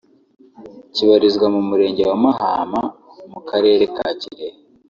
kibarizwa mu murenge wa Mahama mu karere ka Kirehe